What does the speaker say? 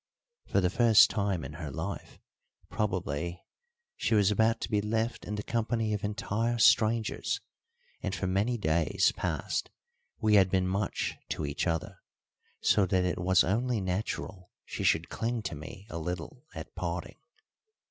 For the first time in her life, probably, she was about to be left in the company of entire strangers, and for many days past we had been much to each other, so that it was only natural she should cling to me a little at parting.